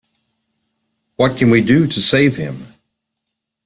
What can we do to save him?